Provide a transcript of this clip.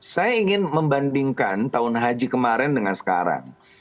saya ingin membandingkan tahun haji kemarin dengan sekarang